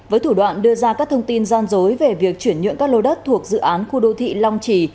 với thủ đoạn đưa ra các thông tin gian dối về việc chuyển nhượng các lô đất thuộc dự án khu đô thị long trì